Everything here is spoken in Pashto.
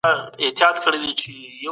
خدای د نېکو خلکو اجر نه ضایع کوي.